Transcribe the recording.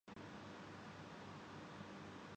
اور معاشی صورت حال اس نہج پر پہنچ